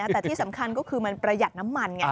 แต่ที่สำคัญก็คือมันประหยัดน้ำมันไง